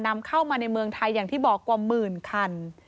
นำเข้ามาในเมืองไทยอย่างที่บอกกว่าหมื่นคัน